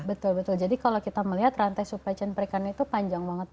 betul betul jadi kalau kita melihat rantai supply chain perikanan itu panjang banget